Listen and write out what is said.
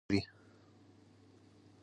د واده کولو حق هر څوک لري.